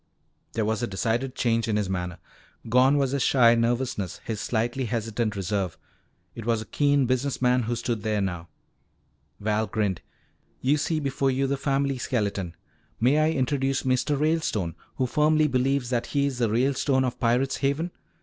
There was a decided change in his manner. Gone was his shy nervousness, his slightly hesitant reserve. It was a keen business man who stood there now. Val grinned. "You see before you the family skeleton. May I introduce Mr. Ralestone, who firmly believes that he is the Ralestone of Pirate's Haven?